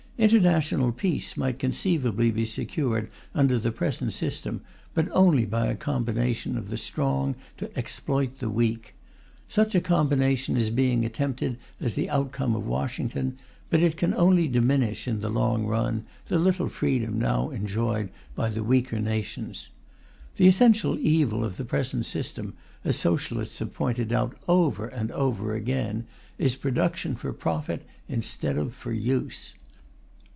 International peace might conceivably be secured under the present system, but only by a combination of the strong to exploit the weak. Such a combination is being attempted as the outcome of Washington; but it can only diminish, in the long run, the little freedom now enjoyed by the weaker nations. The essential evil of the present system, as Socialists have pointed out over and over again, is production for profit instead of for use.